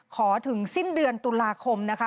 ถึงสิ้นเดือนตุลาคมนะคะ